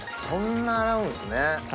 そんな洗うんですね。